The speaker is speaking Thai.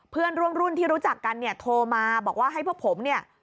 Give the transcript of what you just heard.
เพื่อนร่วมรุ่นที่รู้จักกันโทรมาบอกว่าให้พวกผม